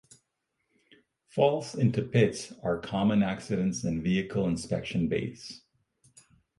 Falls into pits are common accidents in vehicle inspection bays.